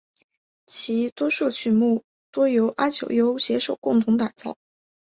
其多数曲目多由阿久悠携手共同打造。